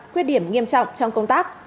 quyết điểm nghiêm trọng trong công tác